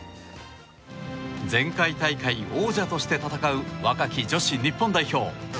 前回大会王者として戦う若き女子日本代表。